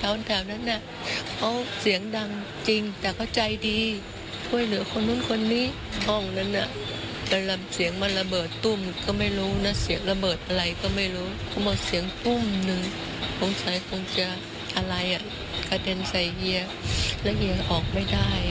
ทำให้ทางจังหวัดเตรียมยกย่องเชื้อชูให้เป็นคนดีศรีอิทยาติดตามจากรายงานครับ